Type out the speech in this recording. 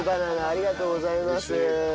ありがとうございます。